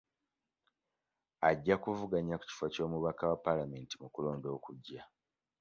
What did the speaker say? Ajja kuvuganya ku kifo ky'omubaka wa palamenti mu kulonda okujja.